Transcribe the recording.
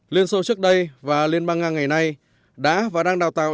liên xô trước đây và liên bang nga ngày nay đã và đang đào tạo